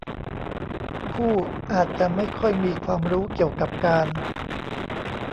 คู่อาจจะไม่ค่อยมีความรู้เกี่ยวกับการ